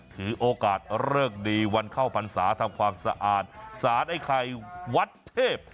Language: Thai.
ถือโอกาสเลิกดีวันเข้าภัณฑ์ศาสตร์ทำความสะอาดสะอาดไอ้ไข่วัดเทพ